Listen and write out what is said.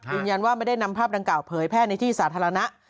ยืนยันว่าไม่ได้นำภาพดังกล่าเผยแพร่ในที่สาธารณะ